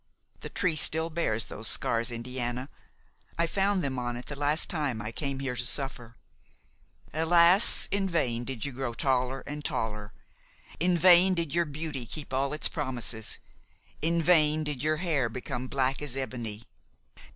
The tree still bears those scars, Indiana; I found them on it the last time I came here to suffer. Alas! in vain did you grow taller and taller; in vain did your beauty keep all its promises; in vain did your hair become black as ebony.